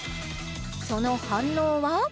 その反応は？